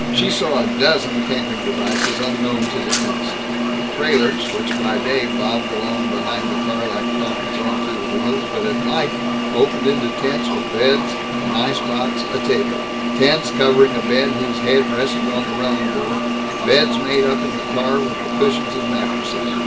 She saw a dozen camping devices unknown to the East: trailers, which by day bobbed along behind the car like coffins on two wheels, but at night opened into tents with beds, an ice box, a table; tents covering a bed whose head rested on the running board; beds made up in the car, with the cushions as mattresses.